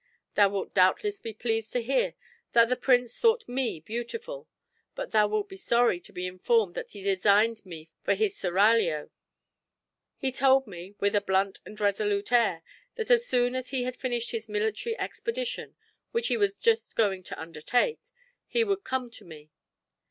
Thou wilt doubtless be pleased to hear that the prince thought me beautiful; but thou wilt be sorry to be informed that he designed me for his seraglio. He told me, with a blunt and resolute air, that as soon as he had finished a military expedition, which he was just going to undertake, he would come to me.